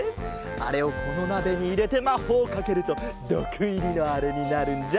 あれをこのなべにいれてまほうをかけるとどくいりのあれになるんじゃ。